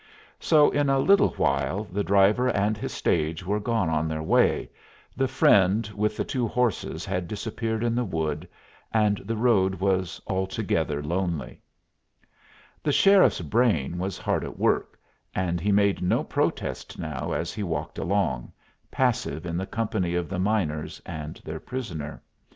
So in a little while the driver and his stage were gone on their way, the friend with the two horses had disappeared in the wood, and the road was altogether lonely. [Illustration: THE SHOT GUN MESSENGER] The sheriff's brain was hard at work, and he made no protest now as he walked along, passive in the company of the miners and their prisoner.